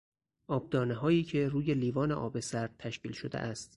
آبدانههایی که روی لیوان آب سرد تشکیل شده است